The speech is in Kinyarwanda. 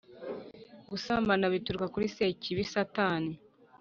Gusambana bituruka kuri sekibi satani